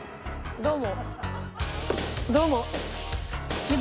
どうも。